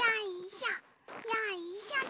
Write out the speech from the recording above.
よいしょと。